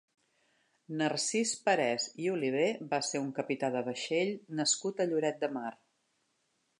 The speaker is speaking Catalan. Narcís Parés i Oliver va ser un capità de vaixell nascut a Lloret de Mar.